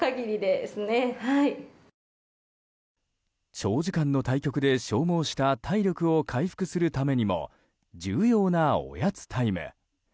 長時間の対局で消耗した体力を回復するためにも重要なおやつタイム。